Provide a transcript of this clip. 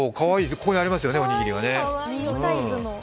ここにありますよね、おにぎりが。